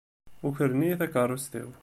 Ukren-iyi takeṛṛust-iw.